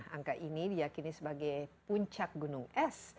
angka ini diyakini sebagai puncak gunung es